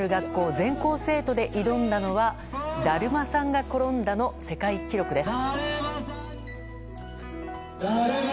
全校生徒で挑んだのはだるまさんが転んだの世界記録です。